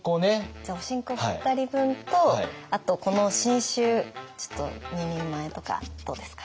じゃあおしんこ２人分とあとこの新酒ちょっと２人前とかどうですか？